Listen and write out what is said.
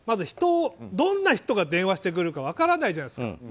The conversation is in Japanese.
どんな人が電話してくるか分からないじゃないですか。